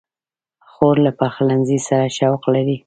خور له پخلنځي سره شوق لري.